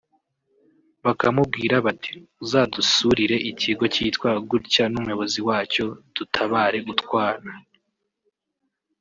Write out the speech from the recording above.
bakamubwira bati uzadusurire ikigo kitwa gutya n’umuyobozi wacyo dutabare utwana